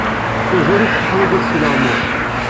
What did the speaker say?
Mazal-itt teḥwaj ad tesleɣmu.